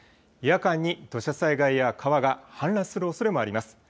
夜間に土砂災害や川が氾濫するおそれもあります。